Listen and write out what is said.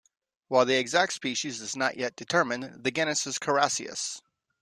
While the exact species is not yet determined the genus is Carassius.